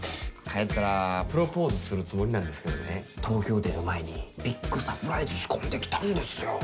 帰ったらプロポーズするつもりなんですけどね東京出る前にビッグサプライズ仕込んできたんですよ。